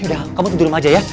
yaudah kamu tidur di rumah aja ya